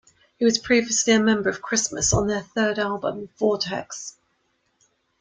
He was previously a member of Christmas on their third album "Vortex".